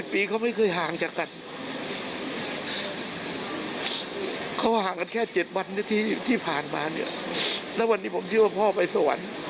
ปีเขาไม่เคยห่างจากกันเขาห่างกันแค่๗วันที่ผ่านมาเนี่ยแล้ววันนี้ผมเชื่อว่าพ่อไปสวรรค์